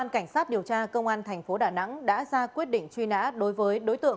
bên cạnh đó người bị xâm phạm cũng cần có thái độ tích cực ngăn chặn hành vi vi phạm